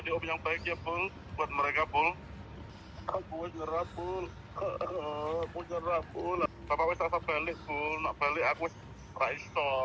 dia menggunakan santai